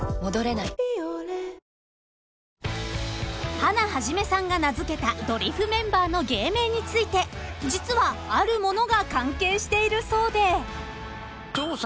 ［ハナ肇さんが名付けたドリフメンバーの芸名について実はあるものが関係しているそうで］